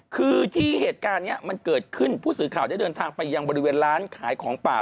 คือที่เหตุการณ์นี้มันเกิดขึ้นผู้สื่อข่าวได้เดินทางไปยังบริเวณร้านขายของป่า